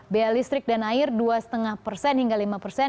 biaya listrik dan air dua lima persen hingga lima persen